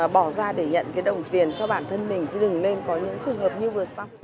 bỏ ra để nhận cái đồng tiền cho bản thân mình chứ đừng nên có những trường hợp như vừa sau